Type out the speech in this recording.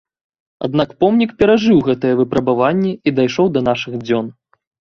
Аднак помнік перажыў гэтыя выпрабаванні і дайшоў да нашых дзён.